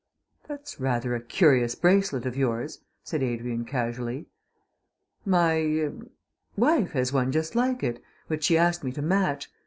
"That's rather a curious bracelet of yours," said Adrian casually. "My er wife has one just like it, which she asked me to match.